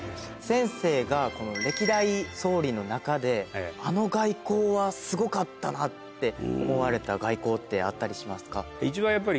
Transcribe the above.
先生が歴代総理の中であの外交はすごかったなって思われた外交ってあったりしますか？